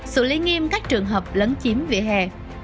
xử lý nghiêm các trường hợp lấn chiếm vỉa hè